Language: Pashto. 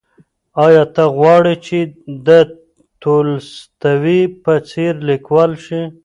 ایا ته غواړې چې د تولستوی په څېر لیکوال شې؟